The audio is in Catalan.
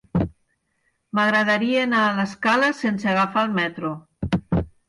M'agradaria anar a l'Escala sense agafar el metro.